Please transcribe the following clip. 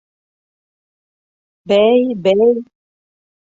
Бәй, бәй!